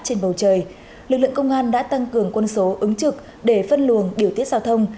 trên bầu trời lực lượng công an đã tăng cường quân số ứng trực để phân luồng điều tiết giao thông